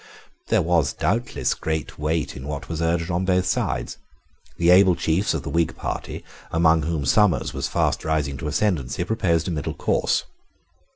There was doubtless great weight in what was urged on both sides. The able chiefs of the Whig party, among whom Somers was fast rising to ascendency, proposed a middle course.